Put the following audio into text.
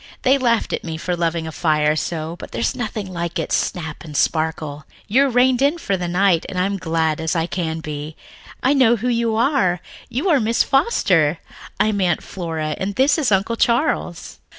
They laughed at me for loving a fire so, but there's nothing like its snap and sparkle. You're rained in for the night, and I'm as glad as I can be. I know who you are you are Miss Foster. I'm Aunt Flora, and this is Uncle Charles."